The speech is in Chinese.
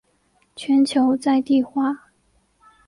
全球在地化。